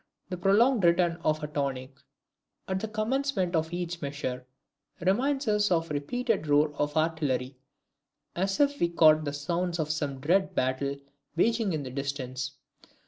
The prolonged return of a tonic, at the commencement of each measure, reminds us of the repeated roar of artillery as if we caught the sounds from some dread battle waging in the distance.